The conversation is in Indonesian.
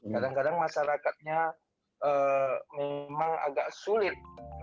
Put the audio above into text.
kadang kadang masyarakatnya memang agak sulit